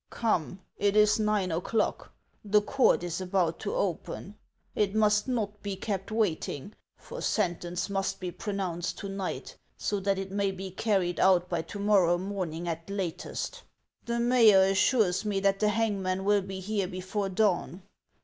" Come, it is nine o'clock ; the court is about to open ; it must not be kept waiting, for sentence must be pro nounced to night, so that it may be carried out by to morrow morning at latest. The mayor assures me that the hangman will be here before dawn.